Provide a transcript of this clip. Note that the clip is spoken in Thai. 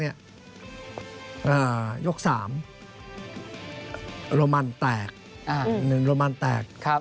ยก๓โรมันแตก